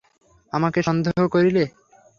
আমাকে সন্দেহ করিলে?